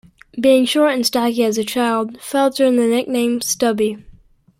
Being short and stocky as a child, Fouts earned the nickname "stubby".